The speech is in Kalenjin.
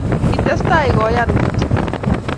Kitestai koyan kityo